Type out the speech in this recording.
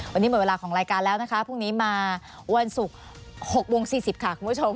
วันนี้หมดเวลาของรายการแล้วนะคะพรุ่งนี้มาวันศุกร์๖โมง๔๐ค่ะคุณผู้ชม